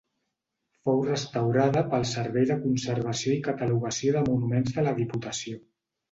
Fou restaurada pel Servei de Conservació i Catalogació de Monuments de la Diputació.